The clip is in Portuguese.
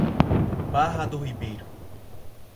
Barra do Ribeiro